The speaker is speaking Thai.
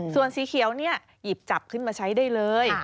ส่วนสีเขียวเนี่ยหยิบจับขึ้นมาใช้ได้เลย